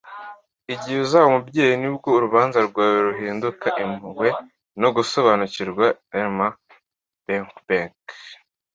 igihe uzaba umubyeyi, ni bwo urubanza rwawe ruhinduka impuhwe no gusobanukirwa. - erma bombeck